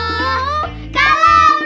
kalau naik koma ke kiri